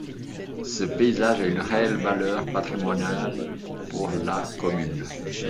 Ce paysage a une réelle valeur patrimoniale pour la commune.